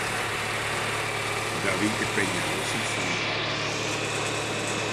David Peñaloza Sandoval.